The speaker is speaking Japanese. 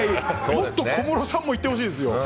もっと小室さんもいってほしいです。